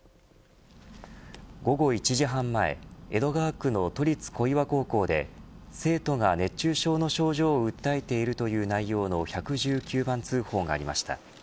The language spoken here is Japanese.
午後１時半前江戸川区の都立小岩高校で生徒が、熱中症の症状を訴えているという内容の１１９番通報がありました。